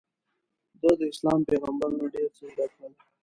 ده داسلام پیغمبر نه ډېر څه زده کړل.